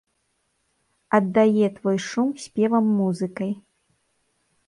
Аддае твой шум спевам-музыкай.